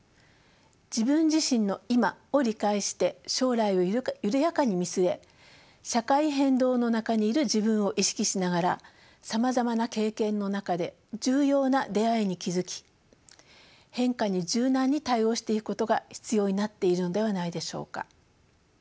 自分自身の今を理解して将来を緩やかに見据え社会変動の中にいる自分を意識しながらさまざまな経験の中で重要な出会いに気付き変化に柔軟に対応していくことが必要になっているのではないでしょうか。